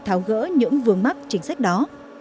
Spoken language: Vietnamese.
thảo gỡ những vườn mắt chính sách đó